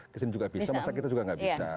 ke sini juga bisa masa kita juga nggak bisa